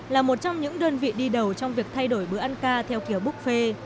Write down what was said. là một trong những đơn vị đi đầu trong việc thay đổi bữa ăn ca theo kiểu buffet